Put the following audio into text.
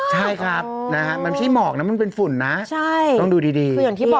ใช่ครับแบบที่หมอกนั้นมันเป็นฝุ่นนะต้องดูดี